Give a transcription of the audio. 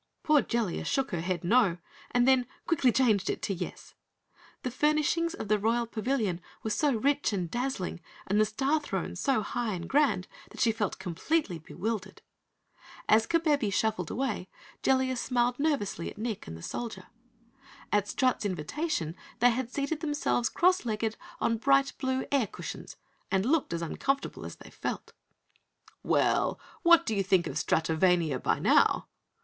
Poor Jellia shook her head no and then quickly changed it to yes. The furnishings of the Royal Pavilion were so rich and dazzling and the Star Throne so high and grand that she felt completely bewildered. As Kabebe shuffled away, Jellia smiled nervously at Nick and the Soldier. At Strut's invitation they had seated themselves cross legged on bright blue air cushions, and looked as uncomfortable as they felt. "Well, what do you think of Stratovania by now?"